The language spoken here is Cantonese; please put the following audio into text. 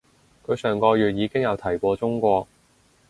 佢上個月已經有提過中國